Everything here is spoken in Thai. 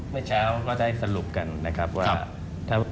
เมื่อเช้าก็ได้สรุปกันนะครับว่า